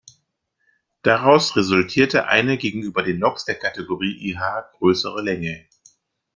Daraus resultierte eine gegenüber den Loks der Kategorie Ih größere Länge.